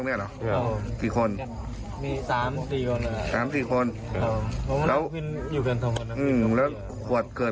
ไม่รู้ยังงงอยู่เลย